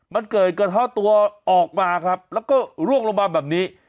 มันเกิดกระท่อตัวออกมาครับแล้วก็ร่วงลงมาแบบนี้